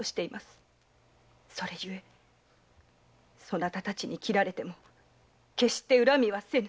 それゆえそなたたちに斬られても決して恨みはせぬ。